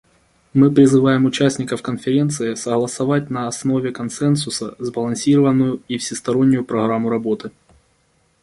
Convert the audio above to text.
Мы призываем участников Конференции согласовать на основе консенсуса сбалансированную и всестороннюю программу работы.